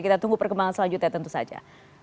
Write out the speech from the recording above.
kita tunggu perkembangan selanjutnya tentu saja